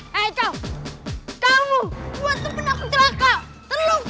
hei kau kamu buat temen aku celaka terluka